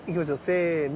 せの。